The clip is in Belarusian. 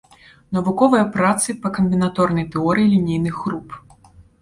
Навуковыя працы па камбінаторнай тэорыі лінейных груп.